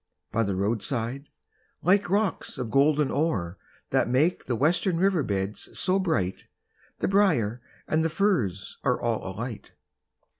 By the roadside, like rocks of golden ore That make the western river beds so bright, The briar and the furze are all alight!